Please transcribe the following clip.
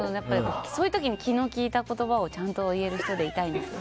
そういう時に気の利いた言葉をちゃんと言える人でいたいんです。